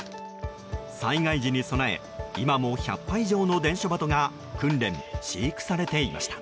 災害時に備え今も１００羽以上の伝書鳩が訓練・飼育されていました。